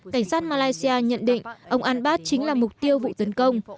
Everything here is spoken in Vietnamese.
cảnh sát malaysia nhận định ông al bad chính là mục tiêu vụ tấn công